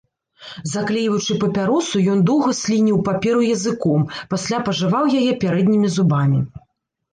Заклейваючы папяросу, ён доўга слініў паперу языком, пасля пажаваў яе пярэднімі зубамі.